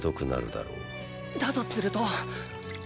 だとすると！